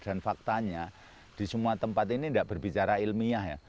dan faktanya di semua tempat ini enggak berbicara ilmiah ya